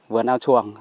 vườn ao chuồng